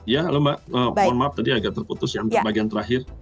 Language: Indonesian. ya halo mbak mohon maaf tadi agak terputus ya untuk bagian terakhir